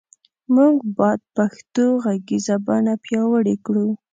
مونږ باد پښتو غږیزه بڼه پیاوړی کړو